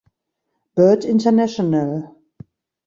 Bird International.